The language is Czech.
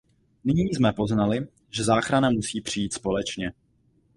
Nyní jsme poznali, že záchrana musí přijít společně.